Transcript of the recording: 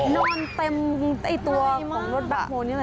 นอนเต็มตัวของรถแบ็คโฮนี่เลย